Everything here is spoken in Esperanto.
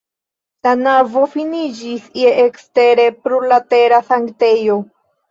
La navo finiĝas je ekstere plurlatera sanktejo.